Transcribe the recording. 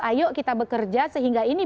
ayo kita bekerja sehingga ini